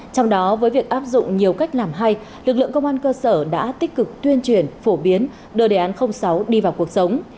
trong đó với việc áp dụng nhiều cách làm hay lực lượng công an cơ sở đã tích cực tuyên truyền phổ biến đưa đề án sáu đi vào cuộc sống